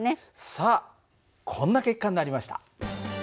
さあこんな結果になりました。